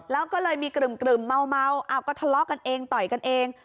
แล้วก็เลยมีกรึ่มเมาก็ทะเลาะกันเองต่อยกันเอง